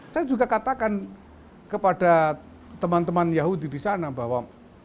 saya juga katakan kepada teman teman yahudi di sana bahwa